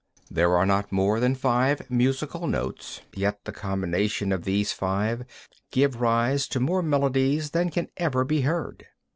7. There are not more than five musical notes, yet the combinations of these five give rise to more melodies than can ever be heard.